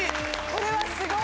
これはすごい！